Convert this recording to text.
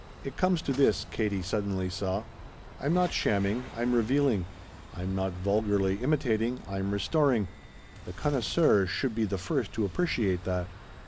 "It comes to this," Katie suddenly saw, "I'm not shamming, I'm revealing. I'm not vulgarly imitating; I'm restoring. The connoisseur should be the first to appreciate that."